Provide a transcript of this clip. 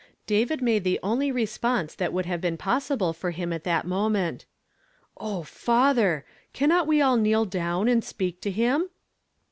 David made the only response that would have been possible for him at that moment: '' O father I cannot we all kneel down and speak to Him?"